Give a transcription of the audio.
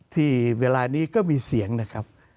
ที่เวลานี้ก็มีเสียงนะครับ